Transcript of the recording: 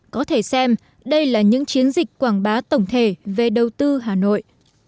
có thể xem đây là những chiến dịch quảng bá tổng thể về đầu tư hà nội